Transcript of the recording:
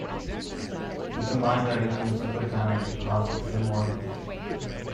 We combined our incomes to put down a deposit for the mortgage.